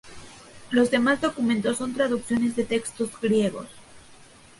Los demás documentos son traducciones de textos griegos.